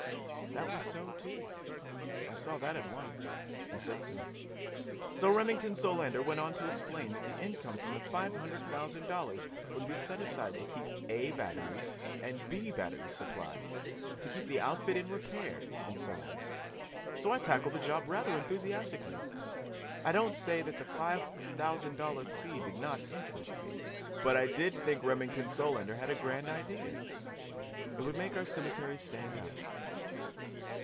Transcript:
That was so, too. I saw that at once. I said so. So Remington Solander went on to explain that the income from the five hundred thousand dollars would be set aside to keep "A" batteries and "B" batteries supplied, to keep the outfit in repair, and so on. So I tackled the job rather enthusiastically. I don't say that the five thousand dollar fee did not interest me, but I did think Remington Solander had a grand idea. It would make our cemetery stand out.